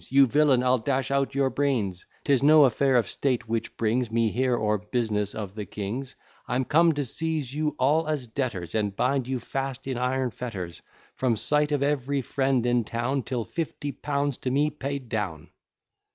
'" "You villain, I'll dash out your brains, 'Tis no affair of state which brings Me here or business of the King's; I'm come to seize you all as debtors, And bind you fast in iron fetters, From sight of every friend in town, Till fifty pound's to me paid down."